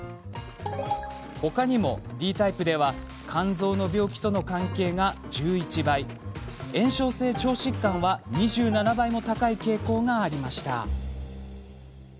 他にも、Ｄタイプでは肝臓の病気との関係が１１倍炎症性腸疾患は２７倍も高い傾向がありました。